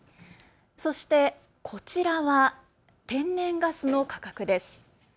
そして、こちらは天然ガスの価格です。